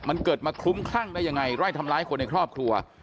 มันเกิดมาคลุ้มคลั่งได้ยังไงไล่ทำร้ายคนในครอบครัว